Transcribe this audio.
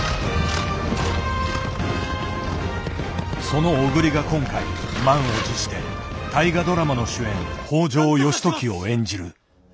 その小栗が今回満を持して大河ドラマの主演北条義時を演じる。